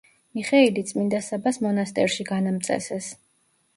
მიხეილი წმინდა საბას მონასტერში განამწესეს.